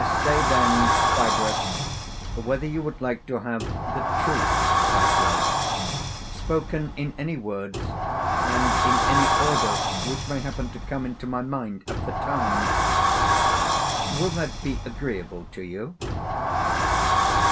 Say then, Phaedrus, whether you would like to have the truth about love, spoken in any words and in any order which may happen to come into my mind at the time. Will that be agreeable to you?